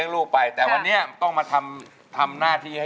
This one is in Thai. รู้ค่ะ